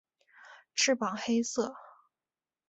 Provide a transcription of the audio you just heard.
翅膀黑色。